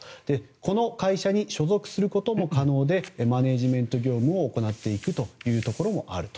この会社に所属することも可能でマネジメント業務を行っていくというところもあると。